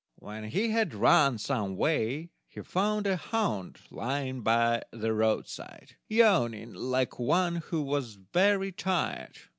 When he had run some way, he found a hound lying by the roadside, yawning like one who was very tired.